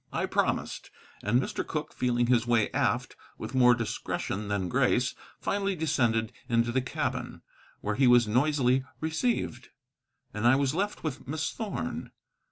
I promised. And Mr. Cooke, feeling his way aft with more discretion than grace, finally descended into the cabin, where he was noisily received. And I was left with Miss Thorn.